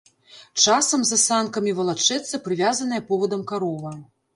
Часам за санкамі валачэцца прывязаная повадам карова.